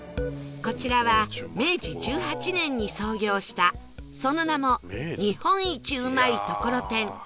こちらは明治１８年に創業したその名も日本一うまいトコロテン